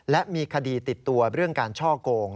และมีคดีติดตัวเรื่องการช่อโกง